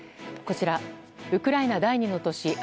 こちらウクライナ第２の都市